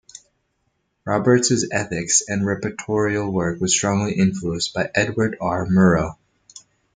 Roberts' ethics and reportorial work was strongly influenced by Edward R. Murrow.